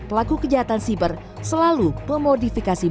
pelaku kejahatan siber selalu memodifikasi